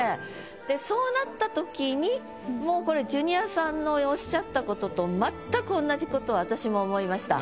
でそうなった時にもうこれジュニアさんのおっしゃったことと全く同じことは私も思いました。